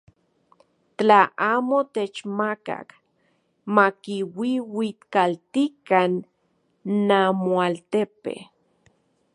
Tla amo techmakaj, makiuiuikaltikan namoaltepe.